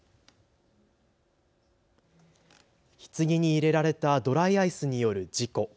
ひつぎに入れられたドライアイスによる事故。